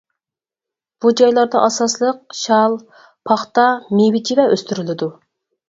بۇ جايلاردا ئاساسلىق شال، پاختا، مېۋە-چىۋە ئۆستۈرۈلىدۇ.